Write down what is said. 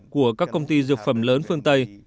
của các công ty dược phẩm lớn phương tây